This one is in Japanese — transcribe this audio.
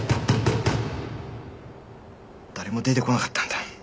誰も出てこなかったんだ。